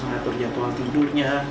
mengatur jadwal tidurnya